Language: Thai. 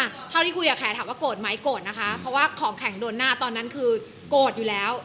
เท่าที่คุยกับแขถามว่าโกรธไหมโกรธนะคะเพราะว่าของแข็งโดนหน้าตอนนั้นคือโกรธอยู่แล้ว